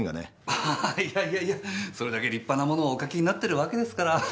アハハいやいやいやそれだけ立派なものをお書きになってるわけですから。